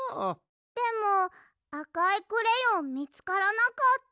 でもあかいクレヨンみつからなかった。